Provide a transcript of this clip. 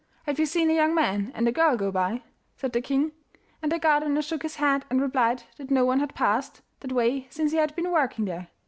'Have you seen a young man and a girl go by?' said the king, and the gardener shook his head and replied that no one had passed that way since he had been working there.